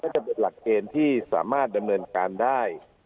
จะเป็นหลักเกณฑ์ที่สามารถดำเนินการได้